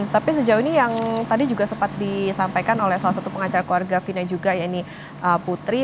tapi sejauh ini yang tadi juga sempat disampaikan oleh salah satu pengacara keluarga vina juga ya ini putri